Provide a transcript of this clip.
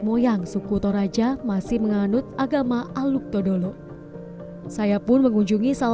bisa memberikan penghormatan terakhir yang maksimal